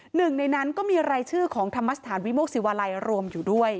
หนึ่งในนั้นก็มีรายชื่อของธรรมสถานวิโมกศิวาลัยรวมอยู่ด้วย